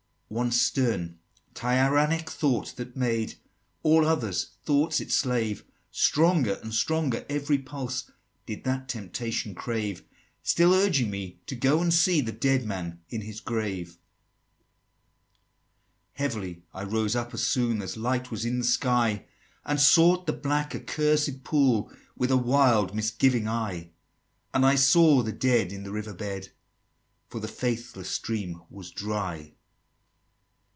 XXVII. "One stern tyrannic thought, that made All other thoughts its slave; Stronger and stronger every pulse Did that temptation crave, Still urging me to go and see The Dead Man in his grave!" XXVIII. "Heavily I rose up, as soon As light was in the sky, And sought the black accursed pool With a wild misgiving eye; And I saw the Dead in the river bed, For the faithless stream was dry."